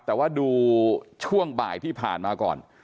แต่ว่าดูช่วงบ่ายที่ผ่านมาก่อน